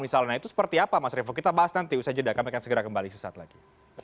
misalnya itu seperti apa mas revo kita bahas nanti usai jeda kami akan segera kembali sesaat lagi